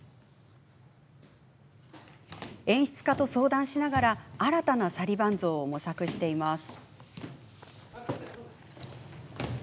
演出家と相談しながら新たなサリヴァン像を模索しています。